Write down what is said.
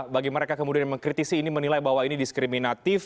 bagi mereka kemudian mengkritisi ini menilai bahwa ini diskriminatif